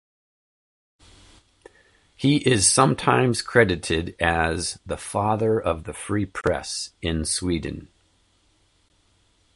He is sometimes credited as the "father of the free press" in Sweden.